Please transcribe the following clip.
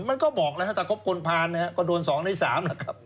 มันก็บอกแล้วครับแต่ครบคนพานก็โดน๒ใน๓นะครับ